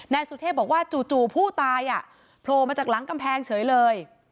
นายสุเทพบอกว่าจู่ผู้ตายโผล่มาจากหลังกำแพงเฉยเลย